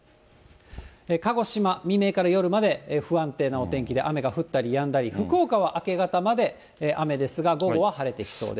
鹿児島、未明から夜まで不安定なお天気で、雨が降ったりやんだり、福岡は明け方まで雨ですが、午後は晴れてきそうです。